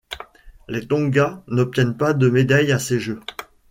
Les Tonga n'obtiennent pas de médaille à ces Jeux.